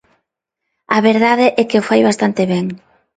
A verdade é que o fai bastante ben.